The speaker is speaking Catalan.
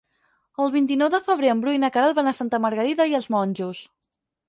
El vint-i-nou de febrer en Bru i na Queralt van a Santa Margarida i els Monjos.